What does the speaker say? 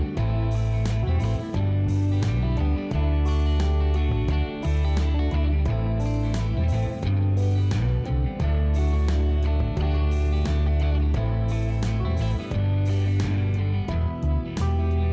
hẹn gặp lại